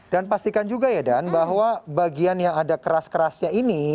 dan pastikan juga ya dan bahwa bagian yang ada keras kerasnya ini